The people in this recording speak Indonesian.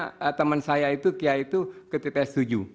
apa namanya teman saya itu kia itu ke tps tujuh